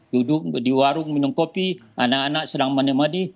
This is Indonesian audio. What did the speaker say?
duduk di warung minum kopi anak anak sedang mani madi